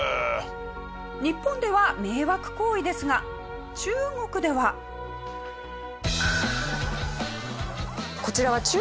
日本では迷惑行為ですがこちらは中国。